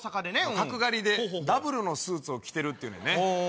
角刈りでダブルのスーツを着てるって言うねんね。